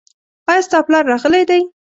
ایا ستا پلار راغلی دی ؟